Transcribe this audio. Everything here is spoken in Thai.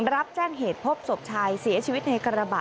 รับแจ้งเหตุพบศพชายเสียชีวิตในกระบะ